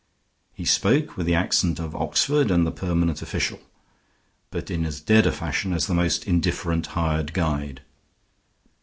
He spoke with the accent of Oxford and the permanent official, but in as dead a fashion as the most indifferent hired guide.